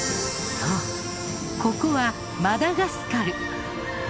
そうここはマダガスカル。